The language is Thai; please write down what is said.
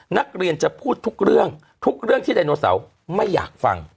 นักเรียนจะพูดทุกเรื่องทุกเรื่องที่ไดโนเสาร์ไม่อยากฟัง